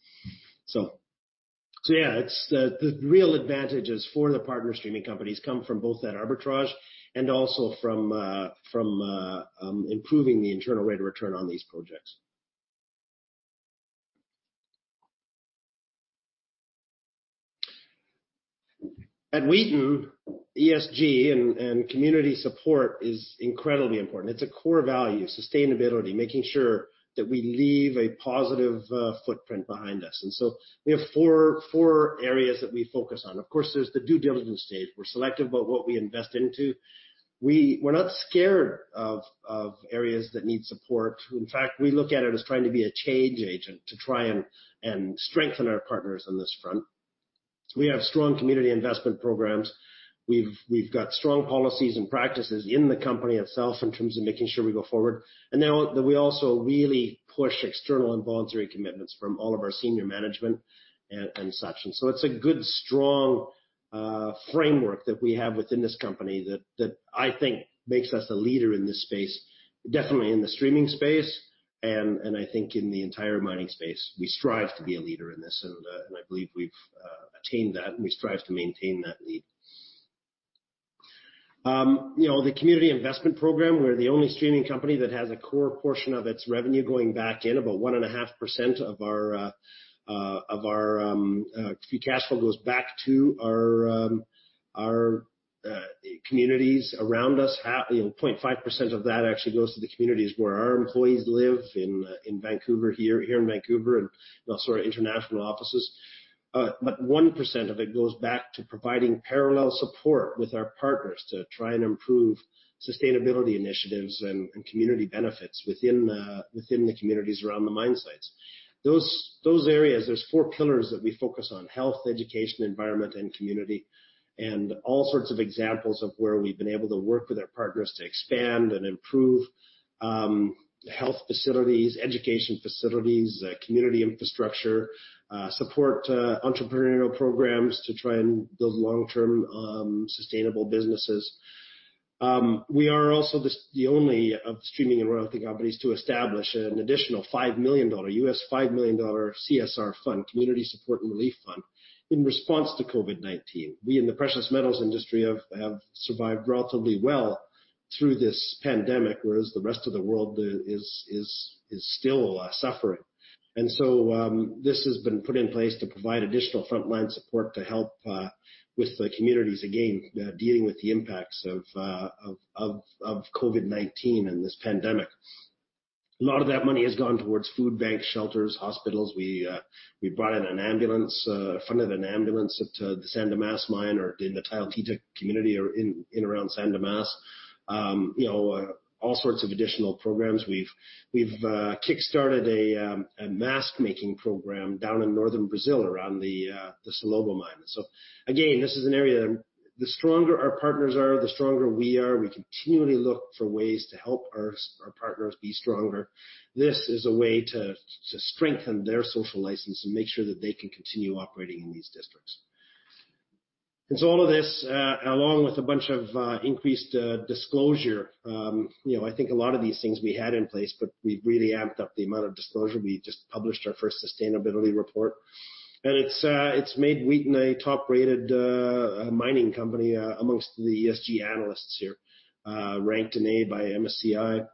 Yeah, the real advantage is for the partner streaming companies come from both that arbitrage and also from improving the internal rate of return on these projects. At Wheaton, ESG and community support is incredibly important. It's a core value, sustainability, making sure that we leave a positive footprint behind us. We have four areas that we focus on. Of course, there's the due diligence stage. We're selective about what we invest into. We're not scared of areas that need support. In fact, we look at it as trying to be a change agent to try and strengthen our partners on this front. We have strong community investment programs. We've got strong policies and practices in the company itself in terms of making sure we go forward. We also really push external and voluntary commitments from all of our senior management and such. It's a good, strong framework that we have within this company that I think makes us a leader in this space, definitely in the streaming space, and I think in the entire mining space. We strive to be a leader in this, and I believe we've attained that, and we strive to maintain that lead. The community investment program, we're the only streaming company that has a core portion of its revenue going back in, about 1.5% of our free cash flow goes back to our communities around us. 0.5% of that actually goes to the communities where our employees live in Vancouver here in Vancouver and also our international offices. 1% of it goes back to providing parallel support with our partners to try and improve sustainability initiatives and community benefits within the communities around the mine sites. Those areas, there's four pillars that we focus on, health, education, environment, and community, and all sorts of examples of where we've been able to work with our partners to expand and improve health facilities, education facilities, community infrastructure, support entrepreneurial programs to try and build long-term sustainable businesses. We are also the only of the streaming and royalty companies to establish an additional $5 million, US $5 million CSR fund, Community Support and Relief Fund, in response to COVID-19. We in the precious metals industry have survived relatively well through this pandemic, whereas the rest of the world is still suffering. This has been put in place to provide additional frontline support to help with the communities, again, dealing with the impacts of COVID-19 and this pandemic. A lot of that money has gone towards food banks, shelters, hospitals. We brought in an ambulance, funded an ambulance at the San Dimas mine or in the Tayoltita community or in around San Dimas. All sorts of additional programs. We've kickstarted a mask-making program down in northern Brazil around the Salobo mine. Again, this is an area that the stronger our partners are, the stronger we are. We continually look for ways to help our partners be stronger. This is a way to strengthen their social license and make sure that they can continue operating in these districts. All of this, along with a bunch of increased disclosure. I think a lot of these things we had in place, but we've really amped up the amount of disclosure. We just published our first sustainability report, and it's made Wheaton a top-rated mining company amongst the ESG analysts here, ranked an A by MSCI,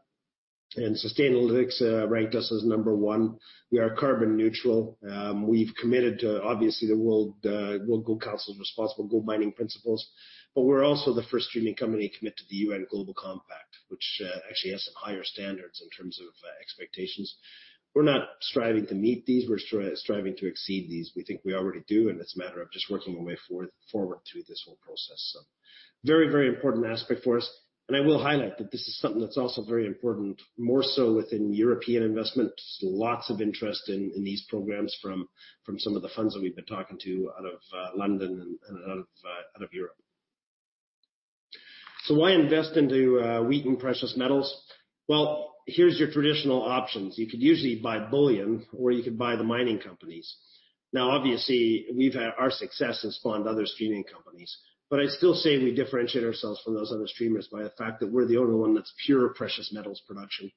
and Sustainalytics ranked us as number one. We are carbon neutral. We've committed to, obviously, the World Gold Council's Responsible Gold Mining Principles, but we're also the first streaming company committed to the UN Global Compact, which actually has some higher standards in terms of expectations. We're not striving to meet these. We're striving to exceed these. We think we already do, and it's a matter of just working our way forward through this whole process. Very important aspect for us, and I will highlight that this is something that's also very important, more so within European investments. Lots of interest in these programs from some of the funds that we've been talking to out of London and out of Europe. Why invest into Wheaton Precious Metals? Here's your traditional options. You could usually buy bullion or you could buy the mining companies. Obviously, our success has spawned other streaming companies, but I still say we differentiate ourselves from those other streamers by the fact that we're the only one that's pure precious metals production.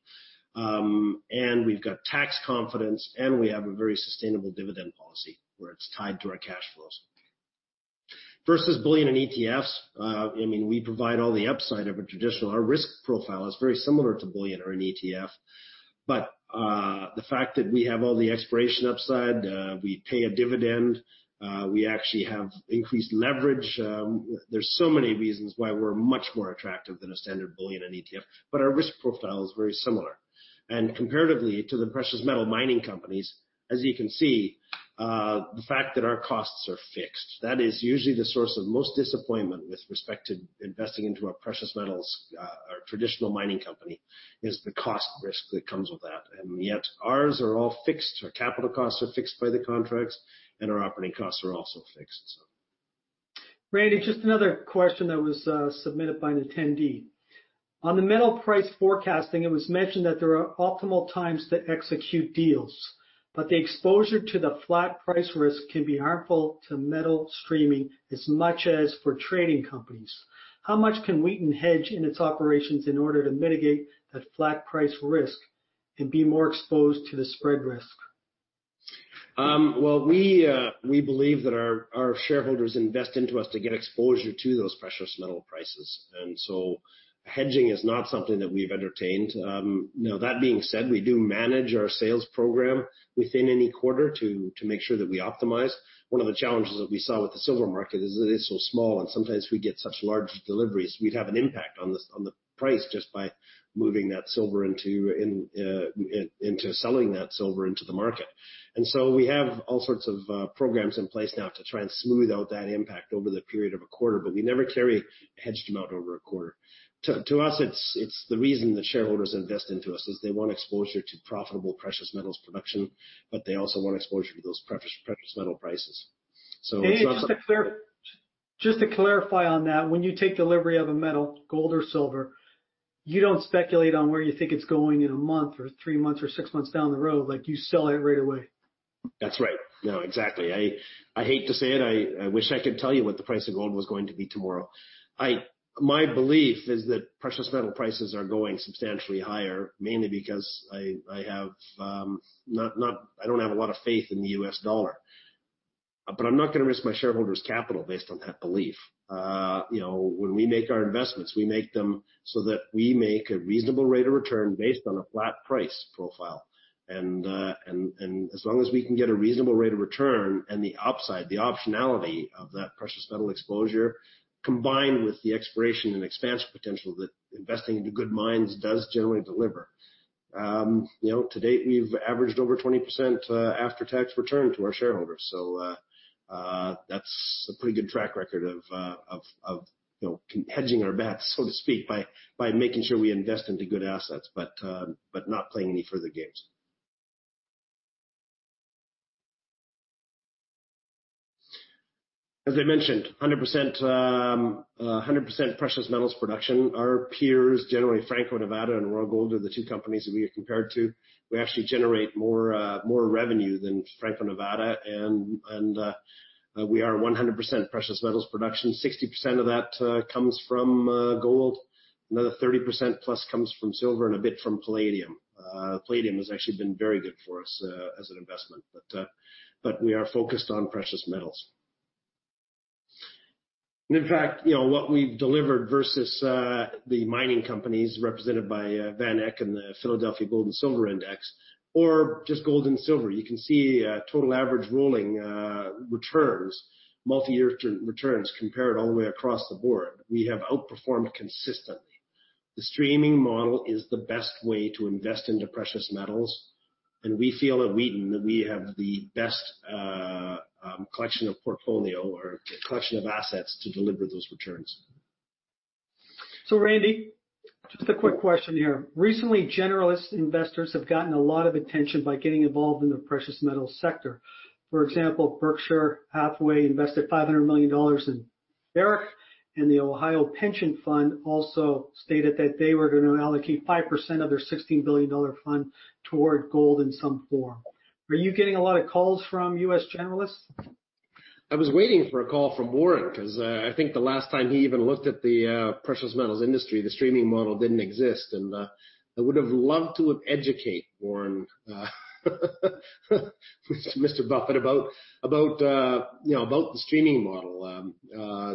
We've got tax confidence, and we have a very sustainable dividend policy, where it's tied to our cash flows. Versus bullion and ETFs, we provide all the upside of a traditional. Our risk profile is very similar to bullion or an ETF. The fact that we have all the exploration upside, we pay a dividend, we actually have increased leverage. There's so many reasons why we're much more attractive than a standard bullion and ETF. Our risk profile is very similar. Comparatively to the precious metal mining companies, as you can see, the fact that our costs are fixed, that is usually the source of most disappointment with respect to investing into a precious metals or traditional mining company is the cost risk that comes with that. Yet ours are all fixed. Our capital costs are fixed by the contracts, and our operating costs are also fixed. Randy, just another question that was submitted by an attendee. On the metal price forecasting, it was mentioned that there are optimal times to execute deals, but the exposure to the flat price risk can be harmful to metal streaming as much as for trading companies. How much can Wheaton hedge in its operations in order to mitigate that flat price risk and be more exposed to the spread risk? Well, we believe that our shareholders invest into us to get exposure to those precious metal prices. Hedging is not something that we've entertained. Now, that being said, we do manage our sales program within any quarter to make sure that we optimize. One of the challenges that we saw with the silver market is that it's so small. Sometimes we get such large deliveries, we'd have an impact on the price just by moving that silver into selling that silver into the market. We have all sorts of programs in place now to try and smooth out that impact over the period of a quarter, but we never carry a hedged amount over a quarter. To us, it's the reason that shareholders invest into us is they want exposure to profitable precious metals production, but they also want exposure to those precious metal prices. So- Just to clarify on that, when you take delivery of a metal, gold or silver, you don't speculate on where you think it's going in a month or three months or six months down the road. You sell it right away. That's right. Exactly. I hate to say it, I wish I could tell you what the price of gold was going to be tomorrow. My belief is that precious metal prices are going substantially higher, mainly because I don't have a lot of faith in the U.S. dollar. I'm not going to risk my shareholders' capital based on that belief. When we make our investments, we make them so that we make a reasonable rate of return based on a flat price profile. As long as we can get a reasonable rate of return and the upside, the optionality of that precious metal exposure, combined with the exploration and expansion potential that investing into good mines does generally deliver. To date, we've averaged over 20% after-tax return to our shareholders. That's a pretty good track record of hedging our bets, so to speak, by making sure we invest into good assets, but not playing any further games. As I mentioned, 100% precious metals production. Our peers, generally Franco-Nevada and Royal Gold are the two companies that we are compared to. We actually generate more revenue than Franco-Nevada, and we are 100% precious metals production. 60% of that comes from gold, another 30% plus comes from silver and a bit from palladium. Palladium has actually been very good for us as an investment. We are focused on precious metals. In fact, what we've delivered versus the mining companies represented by VanEck and the Philadelphia Gold and Silver Index, or just gold and silver, you can see total average rolling returns, multi-year returns compared all the way across the board. We have outperformed consistently. The streaming model is the best way to invest into precious metals, and we feel at Wheaton that we have the best collection of assets to deliver those returns. Randy, just a quick question here. Recently, generalist investors have gotten a lot of attention by getting involved in the precious metal sector. For example, Berkshire Hathaway invested $500 million in Barrick, and the Ohio Police & Fire Pension Fund also stated that they were going to allocate 5% of their $16 billion fund toward gold in some form. Are you getting a lot of calls from U.S. generalists? I was waiting for a call from Warren because I think the last time he even looked at the precious metals industry, the streaming model didn't exist, and I would have loved to have educated Warren Mr. Buffett about the streaming model.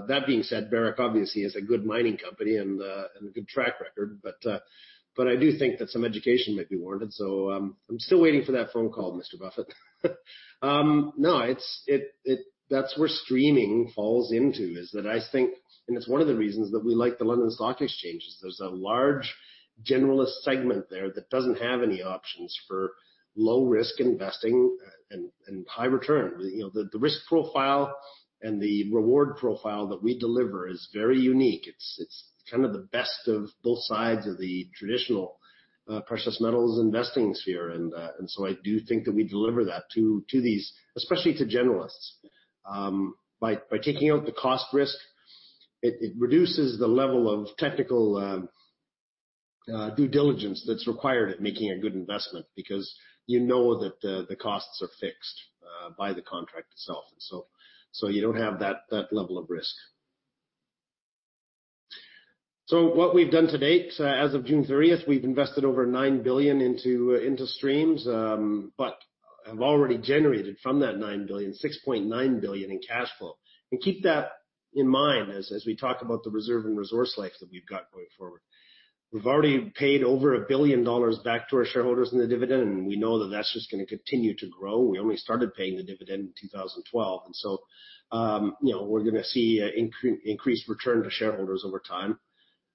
That being said, Barrick obviously is a good mining company and a good track record, but I do think that some education might be warranted, so I'm still waiting for that phone call, Mr. Buffett. No, that's where streaming falls into, is that I think, and it's one of the reasons that we like the London Stock Exchange, is there's a large generalist segment there that doesn't have any options for low-risk investing and high return. The risk profile and the reward profile that we deliver is very unique. It's the best of both sides of the traditional precious metals investing sphere. I do think that we deliver that, especially to generalists. By taking out the cost risk, it reduces the level of technical due diligence that's required at making a good investment because you know that the costs are fixed by the contract itself. You don't have that level of risk. What we've done to date, as of June 30th, we've invested over $9 billion into streams, but have already generated from that $9 billion, $6.9 billion in cash flow. Keep that in mind as we talk about the reserve and resource life that we've got going forward. We've already paid over $1 billion back to our shareholders in the dividend, and we know that that's just going to continue to grow. We only started paying the dividend in 2012. We're going to see increased return to shareholders over time.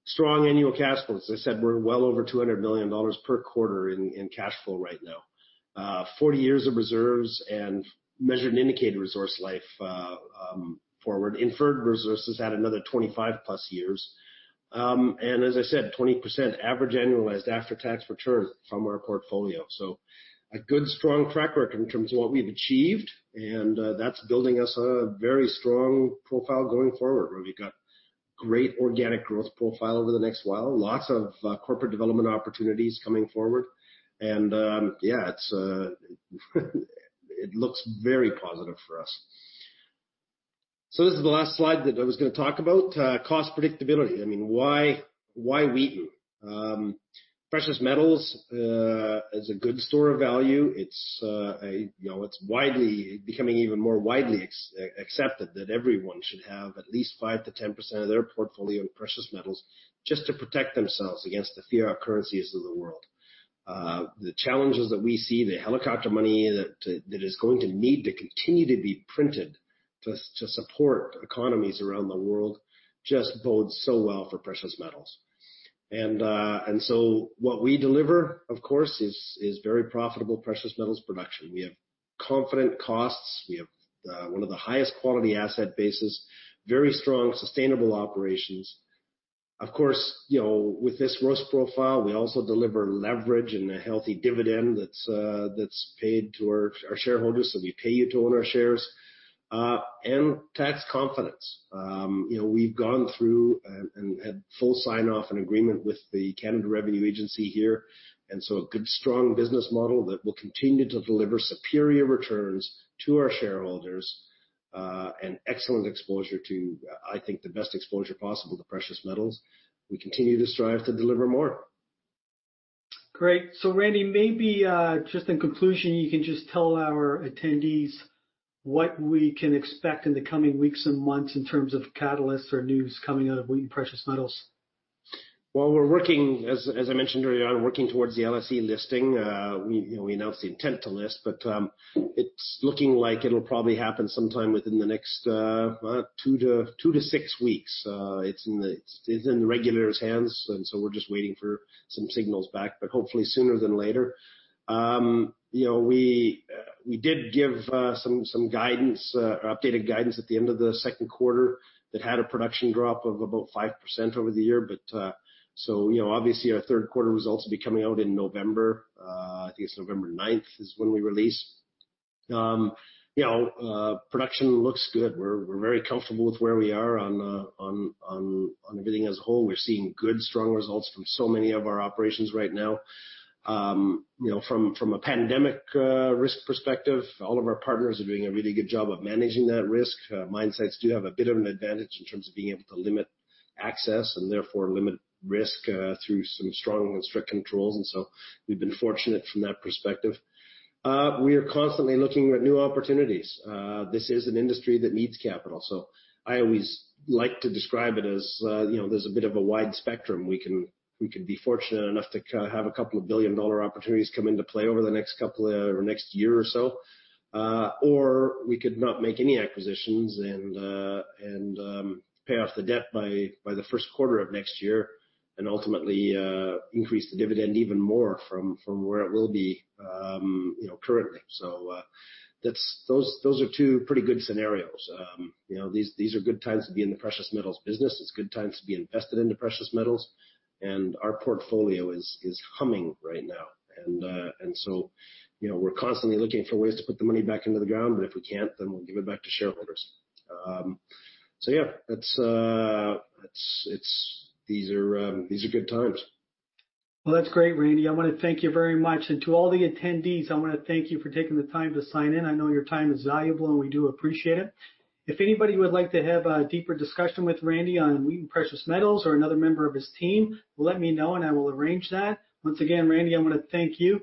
Strong annual cash flows. As I said, we're well over $200 million per quarter in cash flow right now. 40 years of reserves and measured and indicated resource life forward. Inferred resources add another 25-plus years. As I said, 20% average annualized after-tax return from our portfolio. A good strong track record in terms of what we've achieved, and that's building us a very strong profile going forward where we've got great organic growth profile over the next while, lots of corporate development opportunities coming forward. Yeah, it looks very positive for us. This is the last slide that I was going to talk about, cost predictability. I mean, why Wheaton? Precious metals is a good store of value. It's becoming even more widely accepted that everyone should have at least 5% to 10% of their portfolio in precious metals just to protect themselves against the fiat currencies of the world. The challenges that we see, the helicopter money that is going to need to continue to be printed to support economies around the world just bodes so well for precious metals. What we deliver, of course, is very profitable precious metals production. We have confident costs. We have one of the highest quality asset bases, very strong sustainable operations. Of course, with this risk profile, we also deliver leverage and a healthy dividend that's paid to our shareholders. We pay you to own our shares. Tax confidence. We've gone through and had full sign-off and agreement with the Canada Revenue Agency here. A good strong business model that will continue to deliver superior returns to our shareholders, and excellent exposure to, I think the best exposure possible to precious metals. We continue to strive to deliver more. Great. Randy, maybe just in conclusion, you can just tell our attendees what we can expect in the coming weeks and months in terms of catalysts or news coming out of Wheaton Precious Metals. We're working, as I mentioned earlier on, working towards the LSE listing. We announced the intent to list, but it's looking like it'll probably happen sometime within the next 2 to 6 weeks. It's in the regulator's hands, we're just waiting for some signals back, hopefully sooner than later. We did give some updated guidance at the end of the second quarter that had a production drop of about 5% over the year. Obviously, our third quarter results will be coming out in November. I think it's November 9th is when we release. Production looks good. We're very comfortable with where we are on everything as a whole. We're seeing good, strong results from so many of our operations right now. From a pandemic risk perspective, all of our partners are doing a really good job of managing that risk. Mine sites do have a bit of an advantage in terms of being able to limit access, and therefore limit risk through some strong and strict controls, and so we've been fortunate from that perspective. We are constantly looking at new opportunities. This is an industry that needs capital, so I always like to describe it as there's a bit of a wide spectrum. We could be fortunate enough to have a couple of billion-dollar opportunities come into play over the next year or so. We could not make any acquisitions and pay off the debt by the first quarter of next year and ultimately increase the dividend even more from where it will be currently. Those are two pretty good scenarios. These are good times to be in the precious metals business. It's good times to be invested into precious metals. Our portfolio is humming right now. We're constantly looking for ways to put the money back into the ground, but if we can't, then we'll give it back to shareholders. Yeah, these are good times. Well, that's great, Randy. I want to thank you very much. To all the attendees, I want to thank you for taking the time to sign in. I know your time is valuable, and we do appreciate it. If anybody would like to have a deeper discussion with Randy on Wheaton Precious Metals or another member of his team, let me know and I will arrange that. Once again, Randy, I want to thank you.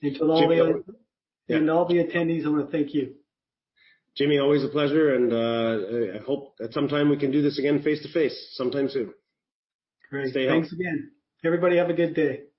Jimmy, always a pleasure. All the attendees, I want to thank you. Jimmy, always a pleasure, and I hope at some time we can do this again face to face, sometime soon. Great. Stay healthy. Thanks again. Everybody have a good day.